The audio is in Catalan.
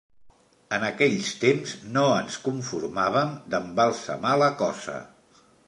En aquells temps no ens conformàvem d'embalsamar la cosa.